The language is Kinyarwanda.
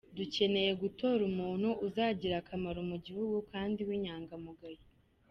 Dukeneye gutora umuntu uzagira akamaro mu gihugu kandi w’inyangamugayo.